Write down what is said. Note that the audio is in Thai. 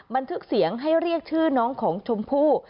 บันทึกเสียงให้เรียกชื่อน้องของชมพู่